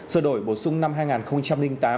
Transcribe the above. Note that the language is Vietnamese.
sơ đổi bổ sung năm hai nghìn tám